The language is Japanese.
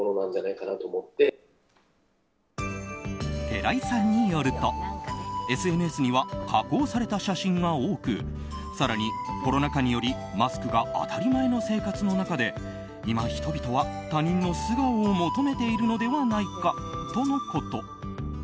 寺井さんによるとＳＮＳには加工された写真が多く更に、コロナ禍によりマスクが当たり前の生活の中で今、人々は他人の素顔を求めているのではないかとのこと。